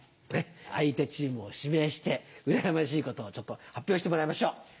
相手チームを指名してうらやましいことを発表してもらいましょう。